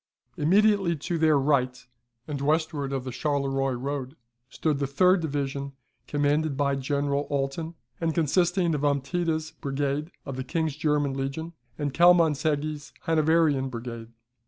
Immediately to their right, and westward of the Charleroi road, stood the third division, commanded by General Alten, and consisting of Ompteda's brigade of the King's German legion, and Kielmansegge's Hanoverian brigade.